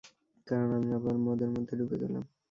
কারণ আমি আবার মদের মধ্যে ডুবে গেলাম।